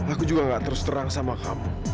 aku juga gak terus terang sama kamu